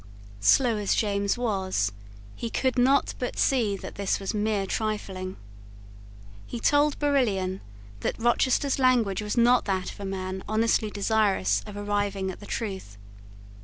Slow as James was, he could not but see that this was mere trifling. He told Barillon that Rochester's language was not that of a man honestly desirous of arriving at the truth.